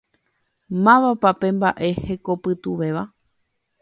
Mávapa pe mbaʼe hekopytũvéva?